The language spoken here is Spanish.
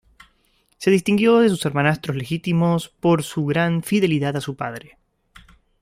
Se distinguió de sus hermanastros legítimos por su gran fidelidad a su padre.